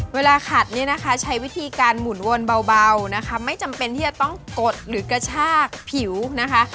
เวลาขัดเนี่ยนะคะใช้วิธีการหมุนวนเบานะคะไม่จำเป็นที่จะต้องกดหรือกระชากผิวนะคะ